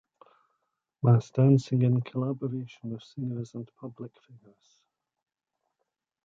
Mass dancing in collaboration with singers and public figures.